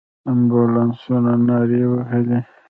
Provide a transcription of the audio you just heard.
امبولانسونو نارې وهلې.